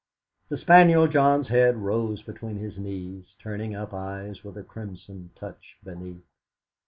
The spaniel John's head rose between his knees, turning up eyes with a crimson touch beneath.